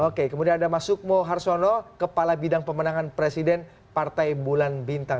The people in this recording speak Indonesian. oke kemudian ada mas sukmo harsono kepala bidang pemenangan presiden partai bulan bintang